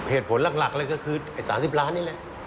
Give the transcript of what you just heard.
เหตุผลหลักเลยก็คือไอ้๓๐ล้านนี่แหละ